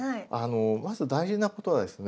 まず大事なことはですね